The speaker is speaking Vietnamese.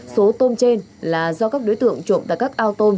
số tôm trên là do các đối tượng trộm tại các ao tôn